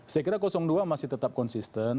saya kira dua masih tetap konsisten